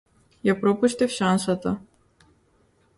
Ја пропуштив шансата.